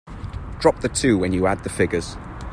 Drop the two when you add the figures.